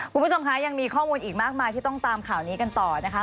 คุณผู้ชมคะยังมีข้อมูลอีกมากมายที่ต้องตามข่าวนี้กันต่อนะคะ